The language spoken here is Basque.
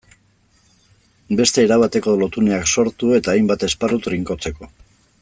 Beste erabateko lotuneak sortu eta hainbat esparru trinkotzeko.